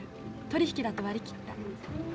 取り引きだと割り切った。